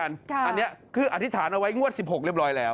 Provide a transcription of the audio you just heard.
อันนี้คืออธิษฐานเอาไว้งวด๑๖เรียบร้อยแล้ว